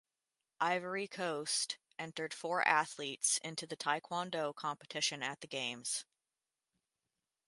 Ivory Coast entered four athletes into the taekwondo competition at the Games.